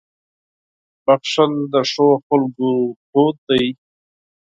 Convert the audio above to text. • بښل د ښو خلکو دود دی.